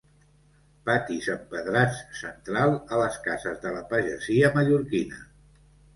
Patis empedrats central a les cases de la pagesia mallorquina.